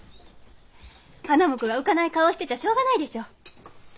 花婿が浮かない顔してちゃしょうがないでしょ。